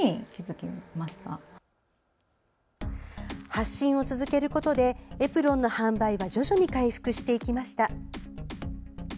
発信を続けることでエプロンの販売は徐々に回復していきました。